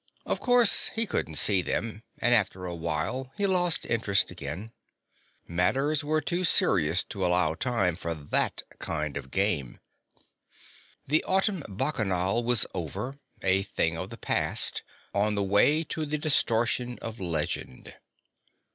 Of course he couldn't see them, and after a while he lost interest again. Matters were too serious to allow time for that kind of game. The Autumn Bacchanal was over, a thing of the past, on the way to the distortion of legend.